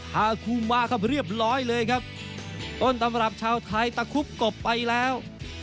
ฮาคู่มาครับเรียบร้อยเลยครับต้นตำรับชาวไทยตะคุบกบไปแล้ว